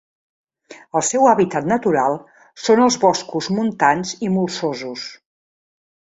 El seu hàbitat natural són els boscos montans i molsosos.